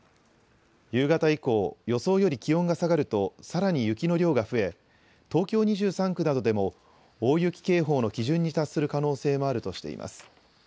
夕方以降、予想より気温が下がるとさらに雪の量が増え東京２３区などでも大雪警報の基準に達する可能性もあるとしています。